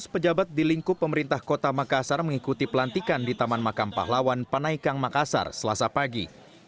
lima belas pejabat di lingkup pemerintah kota makassar mengikuti pelantikan di taman makam pahlawan panaikang makassar selasa pagi